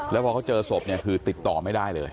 แล้วพอเขาเจอศพเนี่ยคือติดต่อไม่ได้เลย